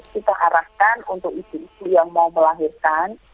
kita arahkan untuk ibu ibu yang mau melahirkan